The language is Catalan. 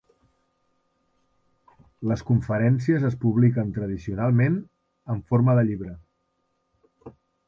Les conferències es publiquen tradicionalment en forma de llibre.